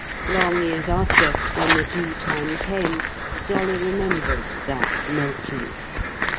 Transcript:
Long years after, when the due time came, Dolly remembered that melting.